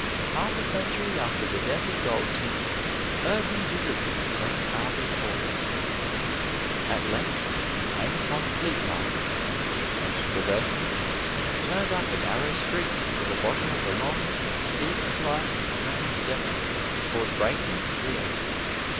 Half a century after the death of Goldsmith, Irving visited Green Arbor Court: "At length we came upon Fleet Market, and traversing it, turned up a narrow street to the bottom of a long, steep flight of stone steps called Breakneck Stairs.